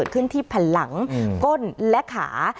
ขึ้นที่ผลังก้นและขา